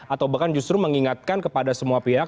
atau bahkan justru mengingatkan kepada semua pihak